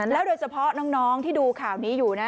โดยเฉพาะน้องที่ดูข่าวนี้อยู่นะ